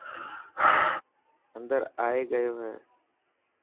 اندر آئي گيو هي.